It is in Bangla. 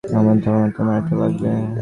আমার ধারণা, তোমার এটা লাগবে।